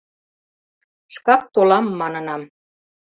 Шкак толам, манынам...